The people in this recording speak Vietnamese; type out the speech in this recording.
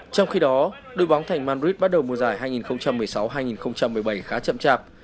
trong khi đó đội bóng thành madrid bắt đầu mùa giải hai nghìn một mươi sáu hai nghìn một mươi bảy khá chậm chạp